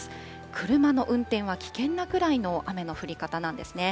車の運転は危険なくらいの雨の降り方なんですね。